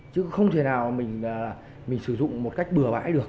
chứ không thể nào mình sử dụng một cách bừa bãi được